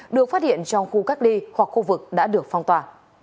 được phát hiện trong khu cách ly hoặc khu vực đã được phong tỏa